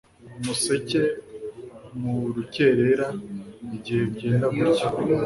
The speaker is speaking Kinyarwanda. umuseke mu rukerera; igihe bwenda gucya